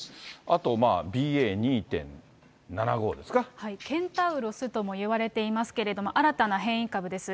あと、ＢＡ．２．７５ですか、ケンタウロスともいわれていますけれども、新たな変異株です。